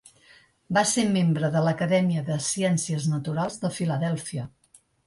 Va ser membre de l'Acadèmia de Ciències Naturals de Filadèlfia.